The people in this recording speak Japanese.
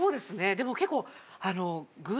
でも結構。